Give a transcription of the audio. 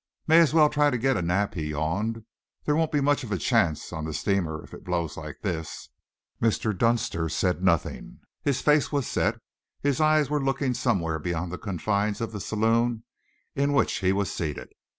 "May as well try to get a nap," he yawned. "There won't be much chance on the steamer, if it blows like this." Mr. Dunster said nothing. His face was set, his eyes were looking somewhere beyond the confines of the saloon in which he was seated.